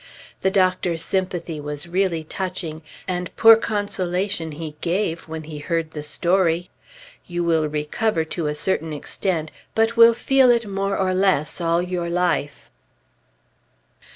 The Doctor's sympathy was really touching, and poor consolation he gave when he heard the story. "You will recover, to a certain extent; but will feel it more or less all your life."